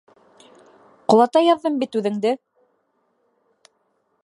Ҡолата яҙҙым бит үҙеңде!